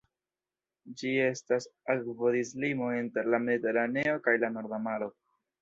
Ĝi estas akvodislimo inter la Mediteraneo kaj la Norda Maro.